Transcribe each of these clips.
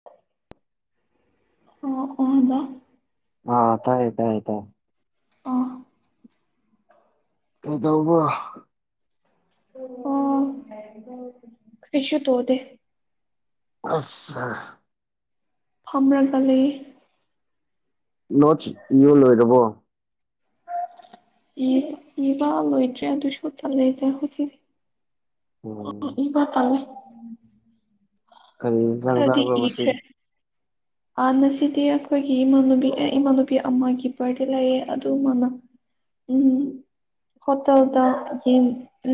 [inaudible] ꯑꯣ ꯑꯣ [unintelligible] ꯑ ꯇꯥꯏ ꯇꯥꯏ ꯇꯥꯢ ꯑꯣ ꯀꯩꯗꯧꯕ ꯑꯣ ꯀꯔꯤꯁꯧ ꯇꯧꯗꯦ ꯑꯠꯆꯥ ꯐꯝꯔꯒ ꯂꯩ ꯅꯣꯠ ꯢꯕꯥ ꯂꯣꯏꯔꯕꯣ ꯏ ꯏꯕ ꯂꯣꯏꯗ꯭ꯔꯤ ꯑꯗꯨꯢꯁꯨ ꯇꯜꯂꯦꯗ ꯍꯧꯖꯤꯛ ꯎꯝ ꯀꯔꯤ ꯏꯟꯁꯥꯡ ꯈꯔꯗꯤ ꯆꯥꯕ꯭ꯔꯣ ꯢꯈ꯭ꯔꯦ ꯉꯁꯤꯗꯤ ꯑ ꯉꯁꯤꯗꯤ ꯑꯩꯈꯣꯏꯒꯤ ꯏꯃꯥꯟꯅꯕꯤ ꯛꯦ ꯏꯃꯥꯟꯅꯕꯤ ꯑꯃꯒꯤ ꯕꯥꯔꯗꯦ ꯂꯩꯌꯦ ꯑꯗꯨꯃꯅ ꯎꯝ ꯍꯣꯇꯦꯜꯗ ꯌꯦꯟ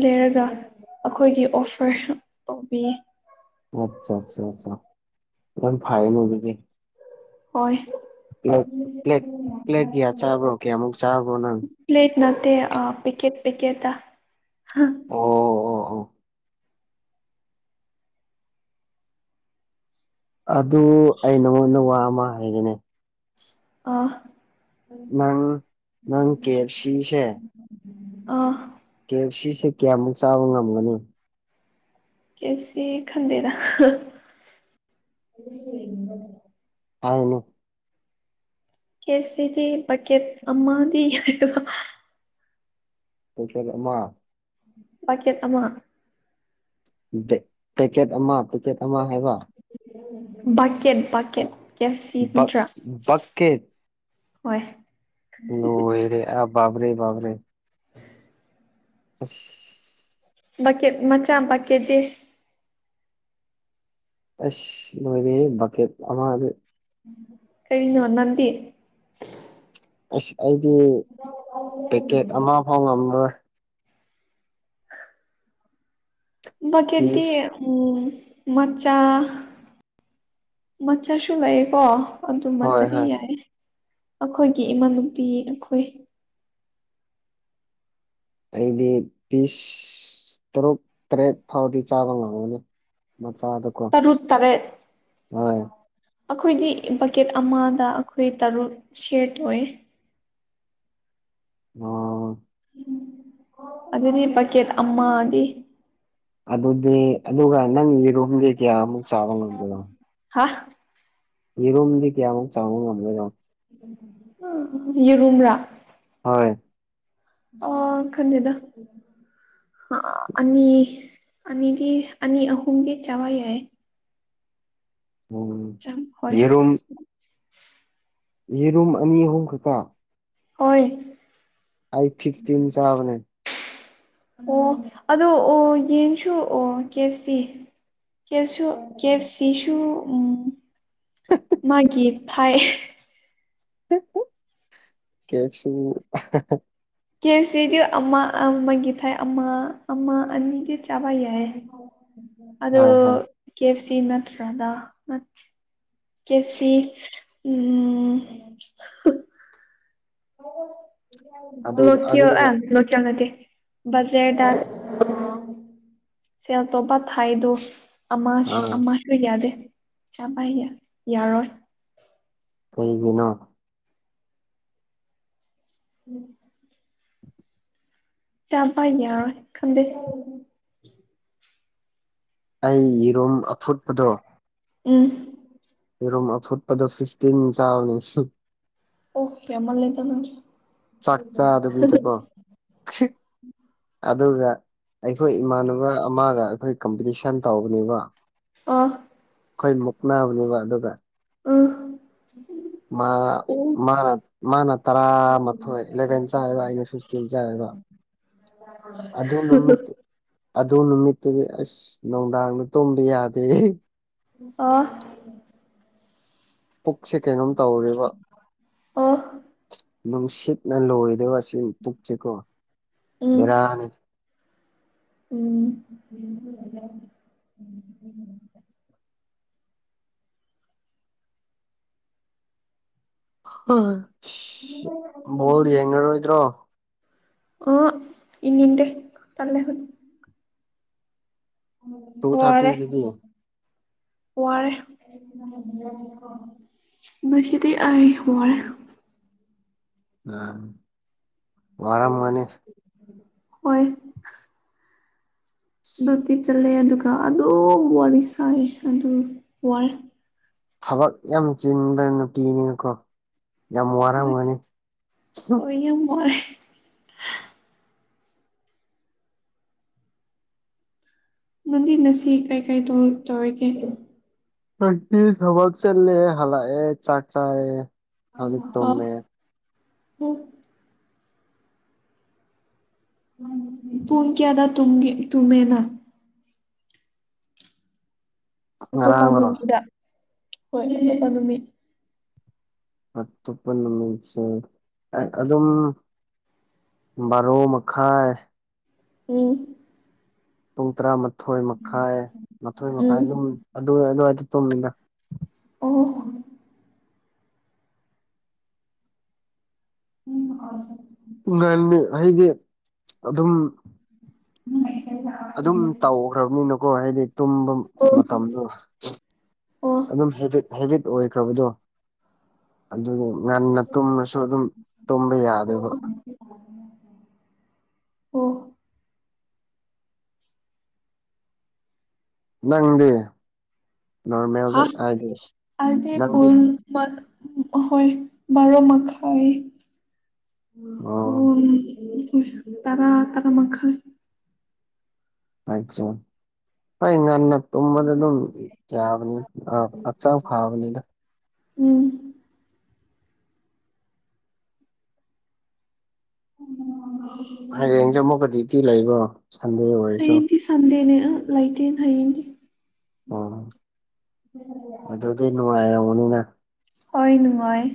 ꯂꯩꯔꯒ ꯑꯩꯈꯣꯏꯒꯤ ꯑꯣꯐꯔ ꯇꯧꯕꯤ ꯑꯆꯥ ꯑꯆꯥ ꯌꯥꯝ ꯐꯩꯅꯦ ꯑꯗꯨꯗꯤ ꯍꯣꯢ ꯄ꯭ꯂꯦꯠ ꯄ꯭ꯂꯦꯠ ꯄ꯭ꯂꯦꯠ ꯀꯌꯥ ꯆꯥꯕ꯭ꯔꯣ ꯀꯌꯥꯃꯨꯛ ꯆꯥꯕ꯭ꯔꯣ ꯅꯪ ꯄ꯭ꯂꯦꯠ ꯅꯠꯇꯦ ꯑꯥ ꯄꯤꯀꯦꯠ ꯄꯤꯀꯦꯠꯇ ꯑꯣ ꯑꯣ ꯑꯣ ꯑꯗꯨ ꯑꯩ ꯅꯪꯉꯣꯟꯗ ꯋꯥ ꯑꯃ ꯍꯥꯏꯒꯦꯅꯦ ꯑꯥ ꯅꯪ ꯅꯪ ꯀꯦ ꯑꯦꯞ ꯁꯤꯁꯦ ꯑꯥ ꯀꯦ ꯑꯦꯐ ꯁꯤꯁꯦ ꯀꯌꯥꯃꯨꯛ ꯆꯥꯕ ꯉꯝꯒꯅꯤ ꯀꯦ ꯑꯦꯞ ꯁꯤ ꯈꯪꯗꯦꯗ ꯍꯥꯢꯔꯅꯨ ꯀꯦ ꯑꯦꯞ ꯁꯤꯗꯤ ꯄꯀꯦꯠ ꯑꯃꯗꯤ ꯄꯀꯦꯠ ꯑꯃ ꯄꯀꯦꯠ ꯑꯃ ꯄꯀꯦꯠ ꯑꯃ ꯄꯦꯀꯦꯠ ꯑꯃ ꯍꯥꯢꯕ ꯕꯛꯀꯦꯠ ꯕꯛꯀꯦꯠ ꯀꯦ ꯑꯦꯞ ꯁꯤ ꯕꯛ ꯅꯠꯇ꯭ꯔꯥ ꯕꯛꯀꯦꯠ ꯍꯣꯏ ꯂꯣꯢꯔꯦ ꯑ ꯕꯥꯕꯔꯦ ꯕꯥꯕꯔꯦ ꯑꯁ ꯕꯛꯀꯦꯠ ꯃꯆꯥ ꯕꯛꯀꯦꯠꯇꯤ ꯑꯁ ꯂꯣꯢꯔꯦꯍꯦ ꯄꯥꯛꯀꯦꯠ ꯑꯃꯗꯤ ꯀꯩꯅꯤ ꯅꯪꯗꯤ ꯑꯁ ꯑꯩꯗꯤ ꯄꯦꯛꯀꯦꯠ ꯑꯃꯐꯥꯎ ꯉꯝꯃꯣꯏ ꯄꯥꯛꯀꯦꯠꯇꯤ ꯄꯤꯁ ꯎꯝ ꯃꯆꯥ ꯃꯆꯥꯁꯨ ꯂꯩꯌꯦꯀꯣ ꯑꯗꯨ ꯍꯣꯏ ꯃꯆꯥꯗꯤ ꯍꯣꯏ ꯌꯥꯏ ꯑꯩꯈꯣꯏꯒꯤ ꯏꯃꯥꯅꯨꯄꯤ ꯑꯩꯈꯣꯏ ꯑꯩꯗꯤ ꯄꯤꯁ ꯇꯔꯨꯛ ꯇꯔꯦꯠ ꯐꯥꯎꯗꯤ ꯆꯥꯕ ꯉꯝꯒꯅꯤ ꯃꯆꯥꯗꯣ ꯇꯔꯨꯛ ꯇꯔꯦꯠ ꯑꯈꯣꯏꯗꯤ ꯕꯛꯀꯦꯠ ꯑꯃꯗ ꯑꯩꯈꯣꯏ ꯇꯔꯨꯛ ꯁ꯭ꯌꯤꯔ ꯇꯧꯋꯦ ꯑꯣ ꯑꯗꯨꯗꯤ ꯕꯀꯦꯠ ꯑꯃꯗꯤ ꯑꯗꯨꯗꯤ ꯑꯗꯨꯒ ꯅꯪ ꯌꯦꯔꯨꯝꯗꯤ ꯀꯌꯥꯃꯨꯛ ꯆꯥꯕ ꯉꯝꯗꯣꯏꯅꯣ ꯍꯥ ꯌꯦꯔꯨꯝꯗꯤ ꯀꯌꯥꯃꯨꯛ ꯆꯥꯕ ꯉꯝꯗꯣꯏꯅꯣ ꯑ ꯌꯦꯔꯨꯝꯔꯥ ꯍꯣꯏ ꯑ ꯈꯪꯗꯦꯗꯥ ꯑꯅꯤ ꯑꯅꯤꯗꯤ ꯑꯅꯤ ꯑꯍꯨꯝꯒꯤ ꯆꯥꯕ ꯌꯥꯏ ꯎꯝ ꯆꯪ ꯍꯣꯏ ꯌꯦꯔꯨꯝ ꯌꯦꯔꯨꯝ ꯑꯅꯤ ꯑꯍꯨꯝ ꯈꯛꯇ ꯍꯣꯏ ꯑꯩ ꯐꯤꯐꯇꯤꯟ ꯆꯥꯕꯅꯦ ꯑꯣ ꯑꯗꯣ ꯑꯣ ꯌꯦꯟꯁꯨ ꯑꯣ ꯀꯦ ꯑꯦꯐ ꯁꯤ ꯀꯦꯞꯁꯨ ꯀꯦ ꯑꯦꯐ ꯁꯤꯁꯨ ꯎꯝ ꯃꯥꯒꯤ ꯊꯥꯏ ꯀꯦ ꯑꯦꯐ ꯁꯤ ꯀꯦ ꯑꯦꯐ ꯁꯤꯗꯤ ꯑꯃ ꯑꯃꯒꯤ ꯊꯥꯏ ꯑꯃ ꯑꯃ ꯑꯅꯤꯗꯤ ꯆꯥꯕ ꯌꯥꯏꯌꯦ ꯑꯗꯨ ꯍꯣꯏ ꯍꯣꯏ ꯀꯦꯐ ꯁꯤ ꯅꯠꯇ꯭ꯔꯥꯗꯥ ꯅꯠ ꯀꯦꯐ ꯁꯤ ꯎꯝ ꯑꯗꯨ ꯂꯣꯠꯀ꯭ꯌꯣ ꯑꯗꯨꯒ ꯑꯦꯟ ꯂꯣꯠꯆꯥ ꯅꯠꯇꯦ ꯕꯖꯔꯗ ꯁꯦꯜ ꯇꯣꯞꯄ ꯊꯥꯏꯗꯣ ꯑꯃꯁꯨ ꯑꯥ ꯑꯃꯁꯨ ꯌꯥꯗꯦ ꯆꯥꯕꯥꯏꯒꯤ ꯌꯥꯔꯣꯏ ꯀꯩꯒꯤꯅꯣ ꯎꯝ ꯆꯥꯕ ꯌꯥꯔꯣꯏ ꯈꯪꯗꯦ ꯑꯩ ꯌꯦꯔꯨꯝ ꯑꯐꯨꯠꯄꯗꯣ ꯎꯝ ꯌꯦꯔꯨꯝ ꯑꯐꯨꯠꯄꯗꯣ ꯐꯤꯐꯇꯤꯟ ꯆꯥꯎꯅꯤ ꯑꯦ ꯌꯥꯝꯃꯜꯂꯦꯗꯥ ꯅꯪꯁꯨ ꯆꯥꯛ ꯆꯥꯗꯕꯤꯗꯀꯣ ꯑꯗꯨꯒ ꯑꯩꯈꯣꯏ ꯏꯃꯥꯟꯅꯕ ꯑꯃꯒ ꯑꯩꯈꯣꯏ ꯀꯝꯄꯤꯇꯤꯁꯟ ꯇꯧꯕꯅꯤꯕꯣ ꯑ ꯑꯩꯈꯣꯏ ꯃꯨꯛꯅꯕꯅꯦꯕꯥ ꯑꯗꯨꯒ ꯎꯝ ꯃꯥ ꯎ ꯃꯥ ꯃꯥꯅ ꯇꯔꯥꯃꯥꯊꯣꯏ ꯏꯂꯦꯚꯦꯟ ꯆꯥꯏ ꯑꯕ ꯑꯩꯅ ꯐꯤꯐꯇꯤꯟ ꯆꯥꯏ ꯑꯕ [unintelligible] ꯑꯗꯨ ꯅꯨꯃꯤꯠꯇꯨꯗꯤ ꯑꯁ ꯅꯨꯡꯗꯥꯡꯅ ꯇꯨꯝꯕ ꯌꯥꯗꯦ ꯑꯣ ꯄꯨꯛꯁꯦ ꯀꯩꯅꯣꯝ ꯇꯧꯔꯦꯕꯥ ꯑꯣ ꯅꯨꯡꯁꯤꯠꯅ ꯂꯣꯏꯔꯦꯕ ꯁꯤ ꯄꯨꯛꯁꯦꯀꯣ ꯎꯝ ꯕꯦꯔꯥꯅꯤ ꯎꯝ ꯕꯣꯜ ꯌꯦꯡꯉꯔꯣꯏꯗ꯭ꯔꯣ ꯑꯣ ꯌꯦꯡꯅꯤꯪꯗꯦ ꯇꯜꯂꯦ ꯇꯨ ꯋꯥꯔꯦ ꯊꯥꯔꯇꯤꯒꯤꯗꯤ ꯋꯥꯔꯦ ꯉꯁꯤꯗꯤ ꯑꯩ ꯋꯥꯔꯦ ꯑꯝ ꯋꯥꯔꯝꯒꯅꯤ ꯋꯥꯏ ꯗꯣꯇꯤ ꯆꯜꯂꯦ ꯑꯗꯨꯒ ꯑꯗꯨꯝ ꯋꯥꯔꯤ ꯁꯥꯏ ꯑꯗꯨ ꯋꯥꯔꯦ ꯊꯕꯛ ꯌꯥꯝ ꯆꯤꯟꯕ ꯅꯨꯄꯤꯅꯤꯅꯀꯣ ꯌꯥꯝ ꯋꯥꯔꯝꯒꯅꯤ ꯑꯩ ꯌꯥꯝ ꯋꯥꯏ ꯅꯪꯗꯤ ꯅꯁꯤ ꯀꯩꯀꯩ ꯇ ꯇꯧꯔꯤꯒꯦ ꯉꯁꯤ ꯊꯕꯛ ꯆꯠꯂꯦ ꯍꯜꯂꯛꯑꯦ ꯆꯥꯛ ꯆꯥꯔꯦ ꯍꯧꯖꯤꯛ ꯑꯣꯍꯣ ꯇꯨꯝꯃꯦ ꯎꯝ ꯄꯨꯡ ꯀꯌꯥꯗ ꯇꯨꯝꯒꯦ ꯇꯨꯝꯃꯦ ꯅꯪ ꯑꯇꯣꯞꯄ ꯉꯔꯥꯡꯔꯣ ꯅꯨꯃꯤꯗ ꯍꯣꯏ ꯑꯇꯣꯞꯄ ꯅꯨꯃꯤꯠ ꯑꯇꯣꯞꯄ ꯅꯨꯃꯤꯠꯁꯦ ꯑꯗꯨꯝ ꯕꯥꯔꯣ ꯃꯈꯥꯏ ꯎꯝ ꯄꯨꯡ ꯇꯔꯥꯃꯥꯊꯣꯏ ꯃꯈꯥꯏ ꯃꯥꯊꯣꯏ ꯃꯈꯥꯏ ꯎꯝ ꯑꯗꯨꯝ ꯑꯗꯨ ꯑꯗꯨꯋꯥꯏꯗ ꯇꯨꯝꯃꯤꯗ ꯑꯣ [inaudible] ꯉꯟꯂꯦ ꯍꯥꯏꯗꯤ ꯑꯗꯨꯝ [inaudible] ꯑꯗꯨꯝ ꯇꯧꯈ꯭ꯔꯕꯅꯤꯅꯀꯣ ꯍꯥꯏꯗꯤ ꯇꯨꯝꯕ ꯑꯣ ꯃꯇꯝꯗꯣ ꯑꯣ ꯑꯗꯨꯝ ꯍꯦꯕꯤꯠ ꯍꯦꯕꯤꯠ ꯑꯣꯏꯈ꯭ꯔꯕꯗꯣ ꯑꯗꯨꯅꯤ ꯉꯟꯅ ꯇꯨꯝꯃꯁꯨ ꯑꯗꯨꯝ ꯇꯨꯝꯕ ꯌꯥꯗꯦꯕ ꯑꯣ ꯑꯣ ꯅꯪꯗꯤ ꯍ ꯅꯣꯔꯃꯦꯜꯗ ꯍꯥꯏꯗꯤ ꯑꯩꯗꯤ ꯅꯪꯗꯤ ꯄꯨꯡ ꯍꯣꯏ ꯕꯔꯣ ꯃꯈꯥꯏ ꯑꯣ ꯄꯨꯡ‌ ꯇꯔꯥ ꯇꯔꯥ ꯃꯈꯥꯏ ꯍꯣꯏ ꯉꯟꯅ ꯇꯨꯝꯕꯗꯤ ꯑꯗꯨꯝ ꯌꯥꯕꯅꯤ ꯑ ꯑꯆꯥꯡ ꯐꯥꯕꯅꯤꯗ ꯎꯝ [inaudible] ꯍꯌꯦꯡꯁꯦ ꯑꯃꯨꯛꯀ ꯗꯤꯌꯨꯇꯤ ꯂꯩꯕ꯭ꯔꯣ ꯁꯟꯗꯦ ꯑꯣꯏ ꯍꯌꯦꯡꯗꯤ ꯁꯟꯗꯦꯅꯦ ꯂꯩꯇꯦꯅ ꯍꯌꯦꯡꯗꯤ ꯑꯣ ꯑꯗꯨꯗꯤ ꯅꯨꯡꯉꯥꯏꯔꯝꯒꯅꯤꯅ ꯍꯣꯏ ꯅꯨꯡꯉꯥꯏꯌꯦ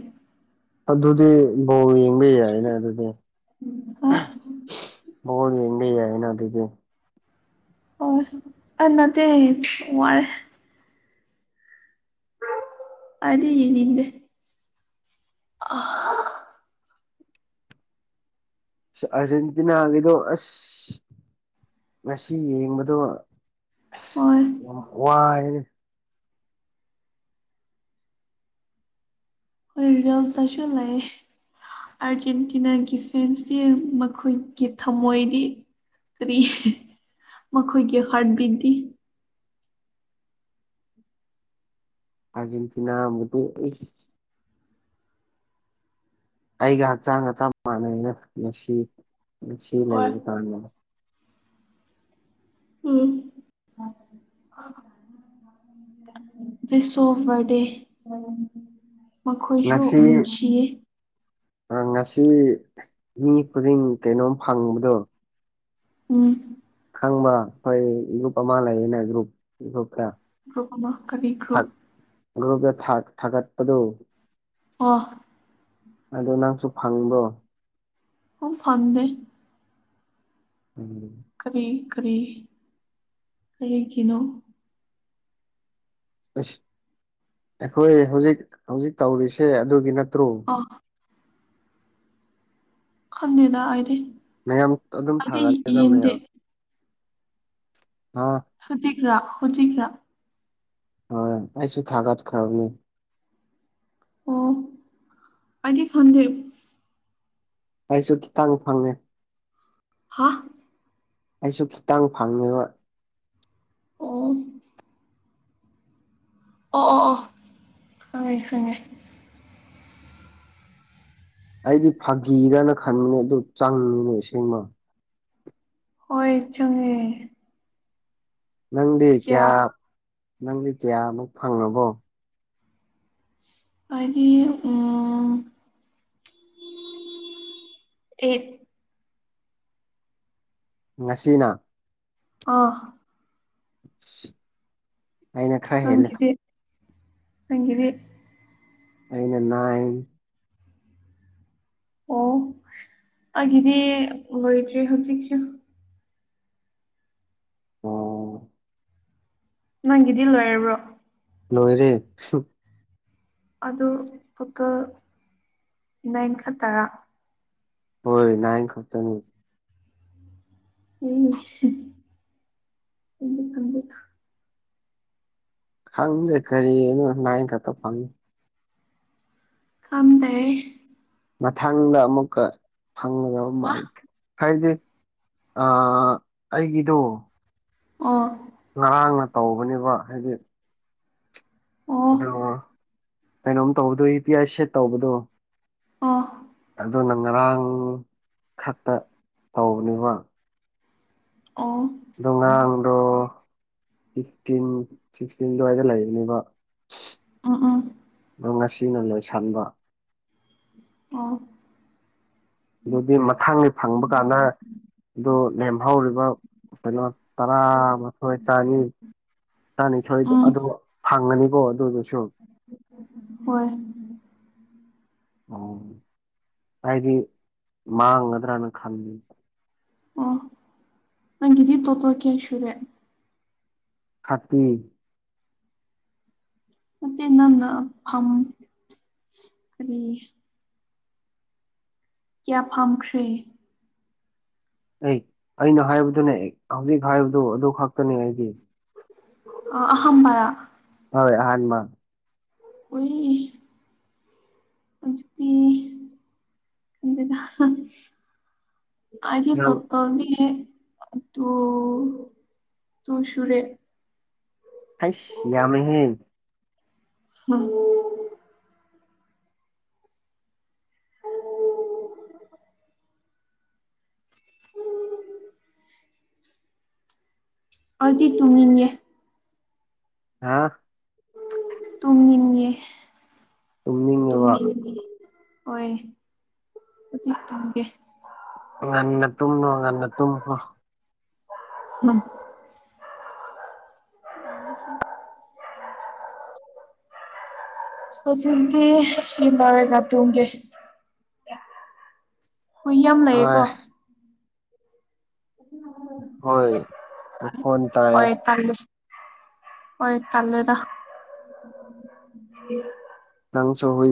ꯑꯗꯨꯗꯤ ꯕꯣꯜ ꯌꯦꯡꯕ ꯌꯥꯏꯅ ꯑꯗꯨꯗꯤ ꯍꯥ ꯕꯣꯜ ꯌꯦꯡꯕ ꯌꯥꯏꯅ ꯑꯗꯨꯗꯤ ꯍꯣꯏ ꯑ ꯅꯠꯇꯦ ꯋꯥꯔꯦ ꯑꯩꯗꯤ ꯌꯦꯅꯤꯡꯗꯦ [inaudible] ꯑꯥꯔꯖꯦꯟꯇꯤꯅꯥꯒꯤꯗꯣ ꯑꯁ ꯉꯁꯤ ꯌꯦꯡꯕꯗꯣ ꯍꯣꯏ ꯌꯥꯝ ꯋꯥꯏꯌꯦ ꯑꯩꯈꯣꯏ ꯔꯤꯜꯁꯇꯁꯨ ꯂꯩ ꯑꯥꯔꯖꯦꯟꯇꯤꯅꯥꯒꯤ ꯐꯦꯟꯁꯇꯤ ꯃꯈꯣꯏꯒꯤ ꯊꯝꯃꯣꯏꯗꯤ ꯀꯔꯤ ꯃꯈꯣꯏꯒꯤ ꯍꯥꯔꯠ ꯕꯤꯠꯗꯤ ꯑꯥꯔꯖꯦꯟꯇꯤꯅꯥ [inaudible] ꯑꯩꯒꯤ ꯍꯛꯆꯥꯡꯒ ꯆꯞ ꯃꯥꯟꯅꯩꯌꯦ ꯉꯁꯤ ꯉꯁꯤ ꯍꯣꯏ ꯂꯩꯕꯗꯥꯏꯅꯦ ꯎꯝ [inaudible] ꯕꯥꯔꯗꯦ ꯃꯈꯣꯏꯁꯨ ꯅꯨꯡꯁꯤꯌꯦ ꯑ ꯉꯁꯤ ꯃꯤ ꯈꯨꯗꯤꯡ ꯀꯩꯅꯣꯝ ꯐꯪꯕꯗꯣ ꯎꯝ ꯈꯪꯕ ꯑꯩꯈꯣꯏ ꯒ꯭ꯔꯨꯞ ꯑꯃ ꯂꯩꯌꯦꯅ ꯒ꯭ꯔꯨꯞ ꯒ꯭ꯔꯨꯞ [inaudible] ꯒ꯭ꯔꯨꯞ ꯑꯃ ꯀꯔꯤ ꯒ꯭ꯔꯨꯞ ꯒ꯭ꯔꯨꯞꯇ ꯊꯥ ꯊꯥꯒꯠꯄꯗꯣ ꯑꯣ ꯑꯗꯣ ꯅꯪꯁꯨ ꯐꯪꯕ꯭ꯔꯣ ꯑꯣ ꯐꯪꯗꯦ ꯎꯝ ꯀꯔꯤ ꯀꯔꯤ ꯀꯔꯤꯒꯤꯅꯣ ꯑꯁ ꯑꯩꯈꯣꯏ ꯍꯧꯖꯤꯛ ꯍꯧꯖꯤꯛ ꯇꯧꯔꯤꯁꯦ ꯑꯗꯨꯒꯤ ꯅꯠꯇ꯭ꯔꯣ ꯑꯥ ꯈꯪꯗꯦꯗ ꯑꯩꯗꯤ ꯃꯌꯥꯝ ꯑꯗꯨꯝ ꯑꯩꯗꯤ ꯊꯥꯒꯠꯂꯦꯅ ꯌꯦꯡꯗꯦ ꯃꯌꯥꯝ ꯑꯥ ꯍꯨꯖꯤꯛꯔꯥ ꯍꯨꯖꯤꯛꯔꯥ ꯍꯣꯏ ꯑꯩꯥꯁꯨ ꯊꯥꯒꯠꯈ꯭ꯔꯝꯅꯦ ꯑꯣ ꯑꯩꯗꯤ ꯈꯪꯗꯦ ꯑꯩꯁꯨ ꯈꯤꯇꯪ ꯐꯪꯉꯦ ꯍꯥꯥ ꯑꯩꯁꯨ ꯈꯤꯇꯪ ꯐꯪꯉꯦꯕ ꯑꯣ ꯑꯣ ꯑꯣ ꯑꯣ ꯈꯪꯉꯦ ꯈꯪꯉꯦ ꯑꯩꯗꯤ ꯐꯥꯒꯤꯔꯅ ꯈꯟꯕꯅꯦ ꯑꯗꯨ ꯆꯪꯉꯤꯅꯦ ꯑꯁꯦꯡꯕ ꯍꯣꯏ ꯆꯪꯉꯦ ꯅꯪꯗꯤ ꯀꯌꯥ ꯅꯪꯗꯤ ꯀꯌꯥꯃꯨꯛ ꯐꯪꯉꯕꯣ ꯑꯩꯗꯤ ꯎꯝ ꯑꯦꯠ ꯉꯁꯤꯅ ꯑꯥ [unintelligible] ꯑꯩꯅ ꯈꯔ ꯍꯦꯜꯂꯦ ꯅꯪꯒꯤꯗꯤ ꯅꯪꯒꯤꯗꯤ ꯑꯩꯅ ꯅꯥꯏꯟ ꯑꯣ ꯑꯩꯒꯤꯗꯤ ꯂꯣꯏꯗ꯭ꯔꯤ ꯍꯧꯖꯤꯛꯁꯨ ꯑꯣ ꯅꯪꯒꯤꯗꯤ ꯂꯣꯏꯔꯕꯣ ꯂꯣꯏꯔꯦ ꯑꯗꯨ ꯇꯣꯇꯜ ꯅꯥꯏꯟ ꯈꯠꯇꯔꯥ ꯍꯣꯏ ꯅꯥꯏꯟ ꯈꯛꯇꯅꯤ ꯏꯁ ꯑꯩꯗꯤ ꯈꯪꯗꯦꯀꯣ ꯈꯪꯗꯦ ꯀꯔꯤꯅꯣ ꯅꯥꯏꯟ ꯈꯛꯇ ꯐꯪꯉꯦ ꯀꯝꯗꯦ ꯃꯊꯪꯗ ꯑꯃꯨꯛꯀ ꯐꯪꯒꯗꯕ ꯍꯥ ꯃꯥꯟꯈ꯭ꯔꯦ ꯍꯥꯏꯗꯤ ꯑꯩꯒꯤꯗꯣ ꯑꯣ ꯉꯔꯥꯡꯅ ꯇꯧꯕꯅꯦꯕ ꯍꯥꯏꯗꯤ ꯑꯣ ꯑꯗꯣ ꯀꯩꯅꯣꯝ ꯇꯧꯕꯗꯣ ꯏ ꯄꯤ ꯑꯥꯏ ꯁꯦꯠ ꯇꯧꯕꯗꯣ ꯑꯣ ꯑꯗꯨꯅ ꯉꯔꯥꯡ ꯈꯠꯇ ꯇꯧꯕꯅꯦꯕ ꯑꯣ ꯑꯗꯣ ꯉꯔꯥꯡꯗꯣ ꯐꯤꯐꯇꯤꯟ ꯁꯤꯛꯁꯇꯤꯟ ꯑꯗꯨꯋꯥꯏꯗ ꯂꯩꯔꯅꯦꯕ ꯎꯝ ꯎꯝ ꯑꯗꯣ ꯉꯁꯤꯅ ꯂꯣꯏꯁꯟꯕ ꯑꯣ ꯑꯗꯨꯗꯤ ꯃꯊꯥꯡꯒꯤ ꯐꯪꯕ ꯀꯥꯟꯗ ꯑꯗꯣ ꯂꯦꯝꯍꯧꯔꯤꯕ ꯀꯩꯅꯣ ꯇꯔꯥꯃꯊꯣꯏ ꯆꯥꯅꯤ ꯇꯔꯥꯅꯤꯊꯣꯏꯗ ꯎꯝ ꯑꯗꯣ ꯐꯪꯒꯅꯤꯀꯣ ꯑꯗꯨꯗꯨꯁꯨ ꯍꯣꯏ ꯑꯣ ꯍꯥꯏꯗꯤ ꯃꯥꯡꯒꯗ꯭ꯔꯅ ꯈꯜꯂꯤ ꯑꯣ ꯅꯪꯒꯤꯗꯤ ꯇꯣꯇꯜ ꯀꯌꯥ ꯁꯨꯔꯦ ꯊ꯭ꯔꯥꯇꯤ ꯅꯠꯇꯦ ꯅꯪꯅ ꯐꯝ ꯀꯔꯤ ꯀꯌꯥ ꯐꯝꯈ꯭ꯔꯦ ꯑꯦ ꯑꯩꯅ ꯍꯥꯏꯕꯗꯨꯅꯦ ꯍꯧꯖꯤꯛ ꯍꯥꯏꯕꯗꯣ ꯑꯗꯨ ꯈꯛꯇꯅꯦ ꯑꯩꯗꯤ ꯑ ꯑꯍꯝꯕꯔ ꯍꯣꯏ ꯑꯍꯥꯟꯕ ꯎꯏ ꯑꯗꯨꯗꯤ ꯎꯏ ꯑꯗꯨꯗ ꯑꯩꯒꯤ ꯅꯪ ꯇꯣꯇꯜꯗꯤ ꯇꯨ ꯇꯨ ꯁꯨꯨꯔꯦ ꯍꯥꯏꯁ ꯌꯥꯝꯃꯦꯍꯦ ꯎꯝ ꯑꯗꯨꯗꯤ ꯇꯨꯡ ꯏꯟꯒꯦ ꯍꯥꯥ ꯇꯨꯝꯅꯤꯡꯉꯦ ꯇꯨꯝꯅꯤꯡꯉꯦꯕ ꯇꯨꯝꯅꯤꯡꯉꯦ ꯍꯣꯏ ꯑꯗꯨꯗꯤ ꯇꯨꯝꯒꯦ ꯉꯟꯅ ꯇꯨꯝꯃꯣ ꯉꯟꯅ ꯇꯨꯝꯃꯣ ꯎꯝ [inaudible] ꯍꯧꯖꯤꯛꯗꯤ ꯁꯤ ꯂꯧꯏꯔꯒ ꯇꯨꯝꯒꯦ ꯍꯨꯏ ꯌꯥꯝ ꯍꯣꯏ ꯂꯩꯌꯦꯀꯣ ꯍꯣꯏ ꯃꯈꯣꯟ ꯇꯥꯏꯌꯦ ꯍꯣꯏ ꯇꯜꯂꯦ ꯍꯣꯏ ꯇꯜꯂꯦꯗ [unintelligible] ꯂꯥꯏꯕꯛ ꯆꯥꯎꯋꯤ